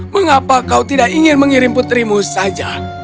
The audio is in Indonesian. mengapa kau tidak ingin mengirim putrimu saja